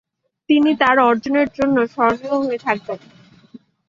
তিনি তার অর্জনের জন্য স্মরণীয় হয়ে থাকবেন।